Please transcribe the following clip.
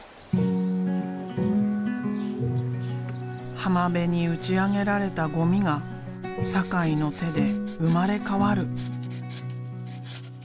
浜辺に打ち上げられたゴミが酒井の手で生まれ変わる。